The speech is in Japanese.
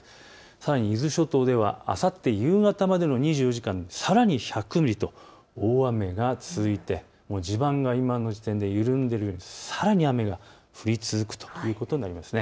さらに伊豆諸島ではあさって夕方までの２４時間、さらに１００ミリと大雨が続いて地盤が緩んでさらに雨が降り続くということになります。